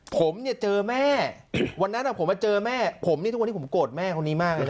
ผมเนี่ยเจอแม่วันนั้นผมมาเจอแม่ผมนี่ทุกวันนี้ผมโกรธแม่คนนี้มากเลยนะ